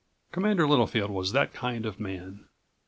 Commander Littlefield was that kind of man.